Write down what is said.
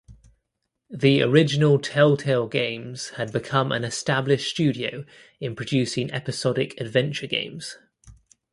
The original Telltale Games had become an established studio in producing episodic adventure games.